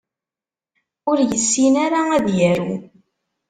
Ur yessin ara ad yaru.